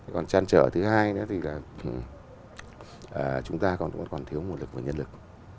còn chăn trở thứ hai nữa thì là chúng ta còn thiếu nguồn lực và nhân lực